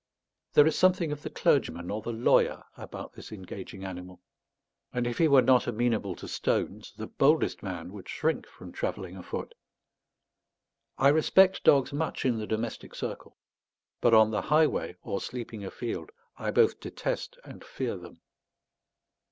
There is something of the clergyman or the lawyer about this engaging animal; and it he were not amenable to stones, the boldest man would shrink from travelling afoot. I respect dogs much in the domestic circle; but on the highway, or sleeping afield, I both detest and fear them.